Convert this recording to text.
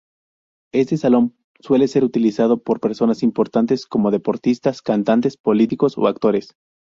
Este salón suele ser utilizado por personas importantes como deportistas, cantantes, políticos o actores.